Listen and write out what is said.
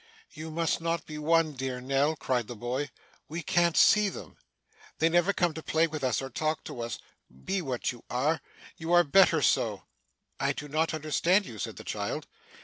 'You must not be one, dear Nell,' cried the boy. 'We can't see them. They never come to play with us, or talk to us. Be what you are. You are better so.' 'I do not understand you,' said the child.